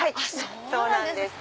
そうなんです。